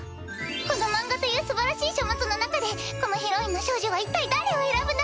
この漫画という素晴らしい書物の中でこのヒロインの少女は一体誰を選ぶのか！